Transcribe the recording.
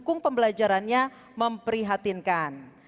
dukung pembelajarannya memprihatinkan